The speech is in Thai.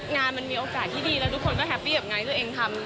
งานมันมีโอกาสที่ดีแล้วทุกคนก็แฮปปี้กับงานที่ตัวเองทำ